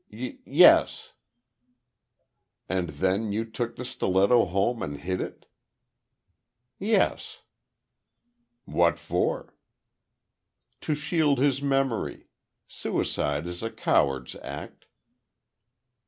"Y—Yes." "And then you took the stiletto home and hid it?" "Yes." "What for?" "To shield his memory. Suicide is a coward's act."